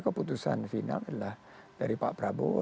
keputusan final adalah dari pak prabowo